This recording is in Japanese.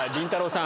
さん。